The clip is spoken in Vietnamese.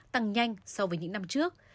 tăng nhanh so với những năm trước